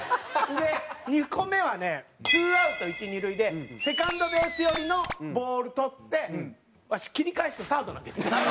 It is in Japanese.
で２個目はねツーアウト一二塁でセカンドベース寄りのボール捕ってわし切り返してサード投げてん。